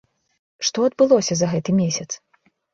Што адбылося за гэты месяц?